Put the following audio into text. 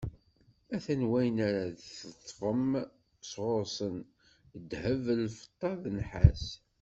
A-t-an wayen ara d-teṭṭfem sɣur-sen: ddheb, lfeṭṭa, nnḥas